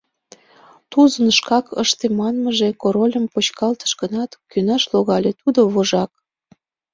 Тузын шкак ыште манмыже Корольым почкалтыш гынат, кӧнаш логале: тудо — вожак.